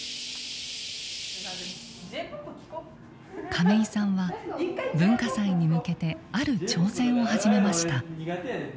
亀井さんは文化祭に向けてある挑戦を始めました。